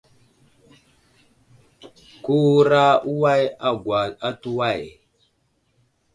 Kewura uway agwa atu way.